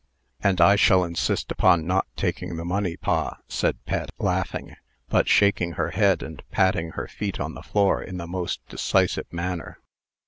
"And I shall insist upon not taking the money, pa," said Pet, laughing, but shaking her head, and patting her feet on the floor in the most decisive manner.